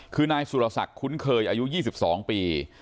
คือนายสุรศักดิ์คุ้นเคยอายุ๒๒ปี